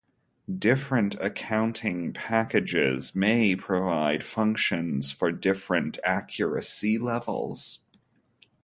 Different accounting packages may provide functions for different accuracy levels.